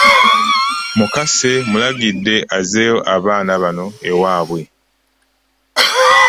Mukase mulagidde azzeeyo abaana bano ewaabwe.